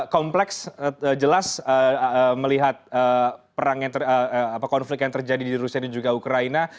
kompleks jelas melihat perang konflik yang terjadi di rusia dan juga ukraina